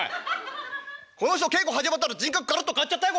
この人稽古始まったら人格ガラッと変わっちゃったよ